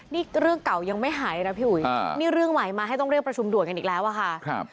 นี่เรื่องเก่ายังไม่หายนะพี่อุ๋ยนี่เรื่องใหม่มาให้ต้องเรียกประชุมด่วนกันอีกแล้วอะค่ะ